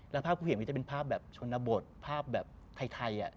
แล้วภาพกูเห็มจะเป็นภาพแบบชนบทภาพแบบไทย